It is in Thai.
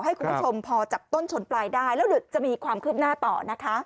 ให้คุณผู้ชมพอจับต้นชนปลายได้แล้วเดี๋ยวจะมีความคืบหน้าต่อนะคะ